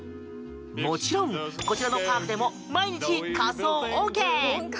もちろん、こちらのパークでも毎日仮装ＯＫ。